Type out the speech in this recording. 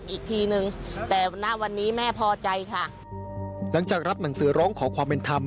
อีกทีนึงแต่ณวันนี้แม่พอใจค่ะหลังจากรับหนังสือร้องขอความเป็นธรรม